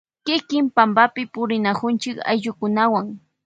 Kiki pampapi purinakunchi ayllukunawan.